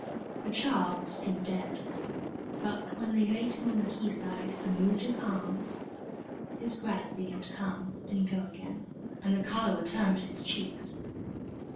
The child seemed dead, but when they laid him on the quayside, and moved his arms, his breath began to come and go again and the colour returned to his cheeks.